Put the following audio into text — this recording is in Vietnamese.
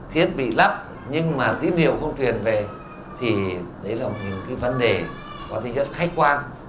thiết bị lắp nhưng mà tí điều không truyền về thì đấy là một những vấn đề có thể rất khách quan